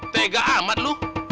tega amat lu